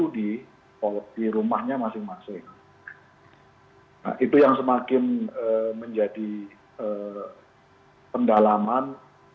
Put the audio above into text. dan tidak bisa berpengalaman